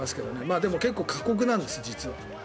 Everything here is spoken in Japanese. でも、結構過酷なんです、実は。